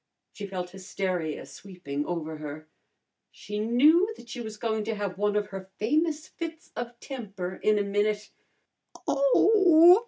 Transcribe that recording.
She felt hysteria sweeping over her. She knew that she was going to have one of her famous fits of temper in a minute. "Oh!